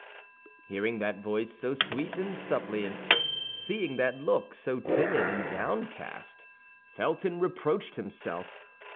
Hearing that voice, so sweet and suppliant, seeing that look, so timid and downcast, Felton reproached himself.